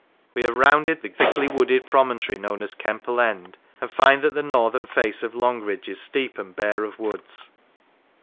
We have rounded the thickly wooded promontory known as Kemple End, and find that the northern face of Longridge is steep and bare of woods.